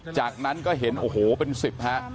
จากนั้นก็เห็นโอ้โหเป็น๑๐ฮะ